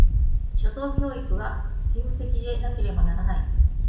初等教育は、義務的でなければならない。